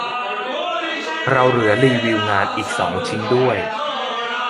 เราเหลือรีวิวงานอีกสองชิ้นด้วย